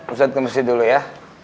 ustadz kemasin dulu ya